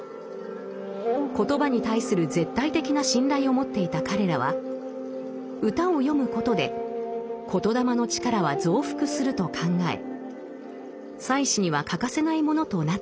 言葉に対する絶対的な信頼を持っていた彼らは歌を詠むことで言霊の力は増幅すると考え祭祀には欠かせないものとなっていました。